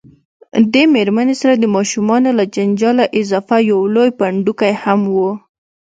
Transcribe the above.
دې میرمنې سره د ماشومانو له جنجاله اضافه یو لوی پنډکی هم و.